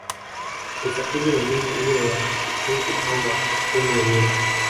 Usafiri wenyewe uwe wa kukodi au wa kwenu wenyewe